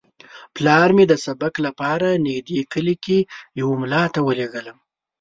پلار مې د سبق لپاره نږدې کلي کې یوه ملا ته ولېږلم.